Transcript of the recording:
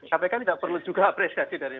kpk tidak perlu juga apresiasi dari